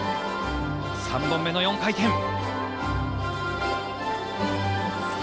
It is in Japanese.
３本目の４回転。